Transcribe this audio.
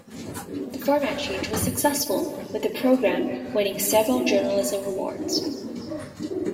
The format change was successful, with the program winning several journalism awards.